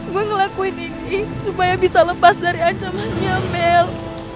gue ngelakuin ini supaya bisa lepas dari ancaman nya mel